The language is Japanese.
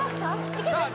いけますか？